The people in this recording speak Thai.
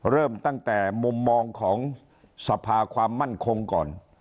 เริ่มตั้งแต่มุมมองของสภาความมั่นคงก่อน